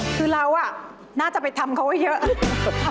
คือเราน่าจะไปทำเขาไว้เยอะ